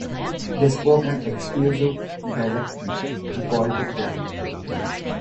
They spoke an exclusive dialect, Baltic German.